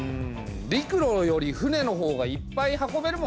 陸路より船のほうがいっぱい運べるもんね。